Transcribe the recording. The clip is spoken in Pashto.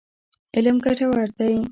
علم ګټور دی.